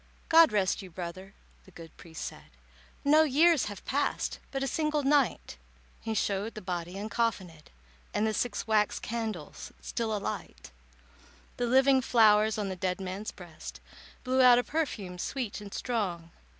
"God rest you, brother," the good priest said, "No years have passed—but a single night." He showed the body uncoffinèd, And the six wax candles still alight. The living flowers on the dead man's breast Blew out a perfume sweet and strong.